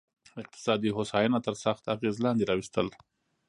اقتصادي هوساینه تر سخت اغېز لاندې راوستل.